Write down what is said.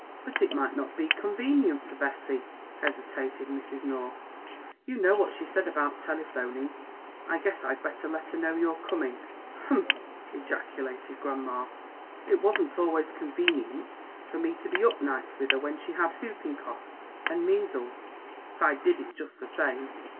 "But it might not be convenient for Bessie," hesitated Mrs. North, "you know what she said about telephoning; I guess I'd better let her know you're coming." "Hump!" ejaculated grandma, "it wasn't always convenient for me to be up nights with her when she had whooping cough and measles, but I did it just the same.